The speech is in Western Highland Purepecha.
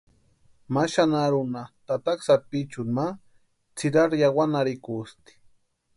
Ma xanharunha tataka sapichuni ma tsʼirari yawanharhikusti.